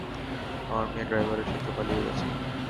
আমার মেয়ে ড্রাইভারের সাথে পালিয়ে গেছে।